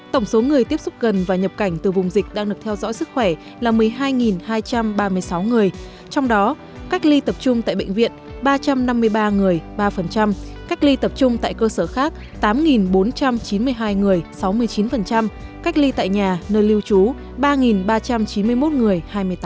tổng số người tiếp xúc gần và nhập cảnh từ vùng dịch đang được theo dõi sức khỏe là một mươi hai hai trăm ba mươi sáu người trong đó cách ly tập trung tại bệnh viện ba trăm năm mươi ba người ba cách ly tập trung tại cơ sở khác tám bốn trăm chín mươi hai người sáu mươi chín cách ly tại nhà nơi lưu trú ba ba trăm chín mươi một người hai mươi tám